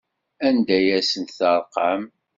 Anda ay asent-terqam?